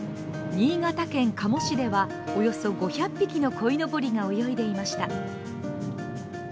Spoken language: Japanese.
新潟県加茂市では、およそ５００匹のこいのぼりが泳いでいました。